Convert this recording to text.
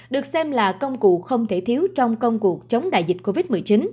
được xem là công cụ không thể thiếu trong công cuộc chống đại dịch covid một mươi chín